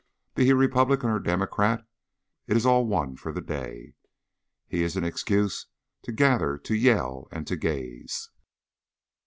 Be he Republican or Democrat, it is all one for the day; he is an excuse to gather, to yell, and to gaze.